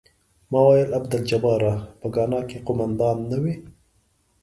ما ویل عبدالجباره په ګانا کې قوماندان نه وې.